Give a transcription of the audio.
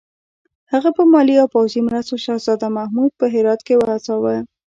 هغه په مالي او پوځي مرستو شهزاده محمود په هرات کې وهڅاوه.